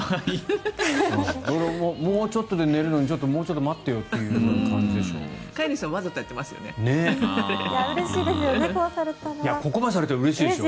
もうちょっとで寝るのにもうちょっと待ってよという感じでしょう。